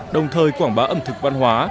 đồng thời quảng bá ẩm thực văn hóa